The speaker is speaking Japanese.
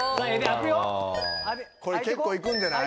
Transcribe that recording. これ結構いくんじゃない？